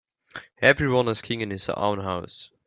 Every one is king in his own house.